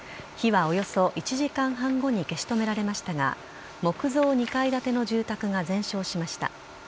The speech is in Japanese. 火はおよそ１時間半後に消し止められましたが、木造２階建ての住宅が全焼しました。